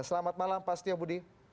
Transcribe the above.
selamat malam pak setiobudi